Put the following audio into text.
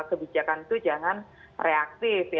kebijakan itu jangan reaktif